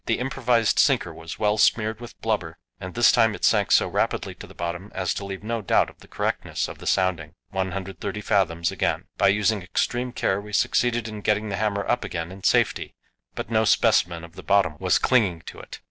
The improvised sinker was well smeared with blubber, and this time it sank so rapidly to the bottom as to leave no doubt of the correctness of the sounding 130 fathoms again. By using extreme care we succeeded in getting the hammer up again in safety, but no specimen of the bottom was clinging to it.